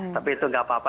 tapi itu gak apa apa